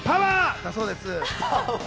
だそうです。